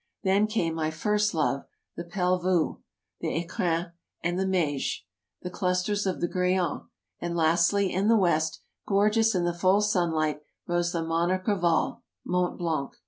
Then came my first love — the Pelvoux; the Ecrins and the Meije; the clus ters of the Graians; and lastly, in the west, gorgeous in the full sunlight, rose the monarch of all — Mont Blanc.